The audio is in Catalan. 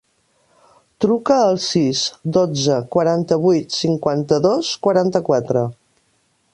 Truca al sis, dotze, quaranta-vuit, cinquanta-dos, quaranta-quatre.